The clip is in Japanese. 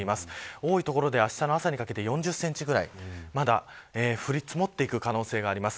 多い所で、あしたの朝にかけて４０センチ以上まだ降り積もっていく可能性があります。